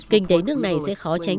kinh tế nước này sẽ khó tránh